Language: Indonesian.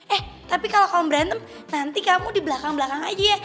eh tapi kalau kamu berantem nanti kamu di belakang belakang aja ya